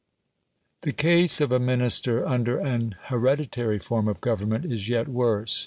The case of a Minister under an hereditary form of government is yet worse.